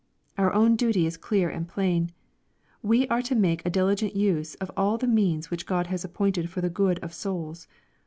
Our own duty is clear and plain. We are to make a diligent use of all the means which Grod has appointed for the good of souls.